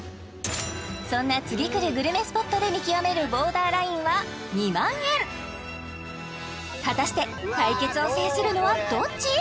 そんな次くるグルメスポットで見極めるボーダーラインは２万円果たして対決を制するのはどっち？